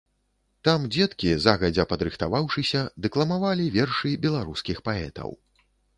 Там дзеткі, загадзя падрыхтаваўшыся, дэкламавалі вершы беларускіх паэтаў.